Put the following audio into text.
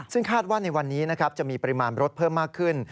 ซึ่งคาดว่าในวันนี้นะครับจะมีปริมาณรถเพิ่มมากขึ้น